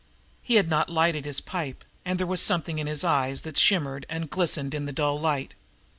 He had not lighted his pipe, and there was something in his eyes that shimmered and glistened in the dull light.